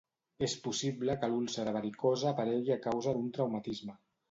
És possible que l'úlcera varicosa aparegui a causa d'un traumatisme.